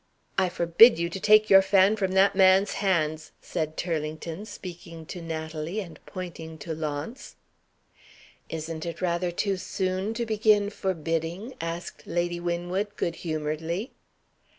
"I forbid you to take your fan from that man's hands," said Turlington, speaking to Natalie, and pointing to Launce. "Isn't it rather too soon to begin 'forbidding'?" asked Lady Winwood, good humoredly.